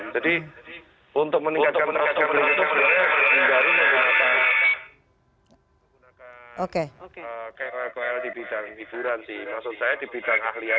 dari itu rakyat akan lebih percaya